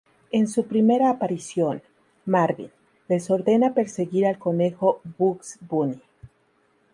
En su primera aparición, Marvin, les ordena perseguir al conejo Bugs Bunny.